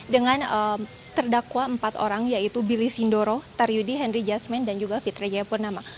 dengan terdakwa empat orang yaitu billy sindoro taryudi henry jasmen dan juga fitri jayapurnama